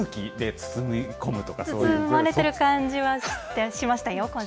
包まれている感じはしましたよ、今週。